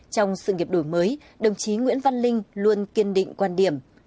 trong sự nghiệp đổi mới đồng chí nguyễn văn linh luôn kiên định quan điểm